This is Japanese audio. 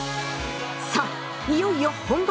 さあいよいよ本番！